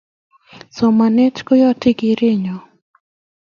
Somanet koyate kerenyo